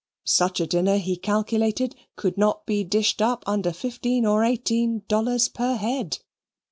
Such a dinner he calculated could not be dished up under fifteen or eighteen dollars per head.